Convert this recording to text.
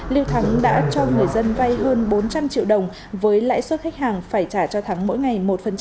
liêu thắng đã cho người dân vay hơn bốn trăm linh triệu đồng với lãi suất khách hàng phải trả cho thắng mỗi ngày một